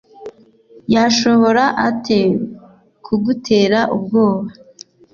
yashobora ate kugutera ubwoba.